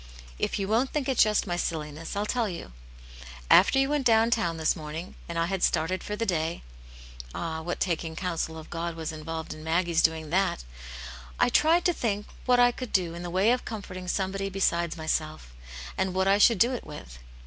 " If you won't think it just my silliness, I'll tell you. After you \irent down town this morning, and I had started for the day (ah, what taking counsel of God was involved in Maggie's doing that !), I tried to think what I could do in the way ti comforting somebody besides myself, and what I should do it with.